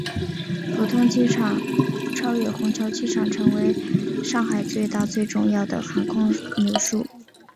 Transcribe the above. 浦东机场超越虹桥机场成为上海最大最重要的航空枢纽。